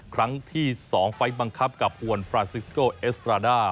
ครั้งที่๒ไฟล์บังคับกับฮวนฟรานซิสโกเอสตราด้า